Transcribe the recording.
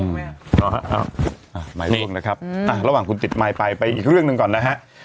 หมายเลขนะครับระหว่างคุณจิตมายไปไปอีกเรื่องหนึ่งก่อนนะฮะ